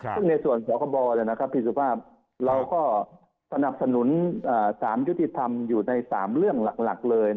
ซึ่งในส่วนสคบพี่สุภาพเราก็สนับสนุนสารยุติธรรมอยู่ใน๓เรื่องหลักเลย